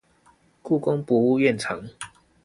故宮博物院藏